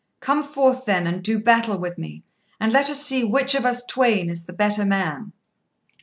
Come forth, then, and do battle with me, and let us see which of us twain is the better man."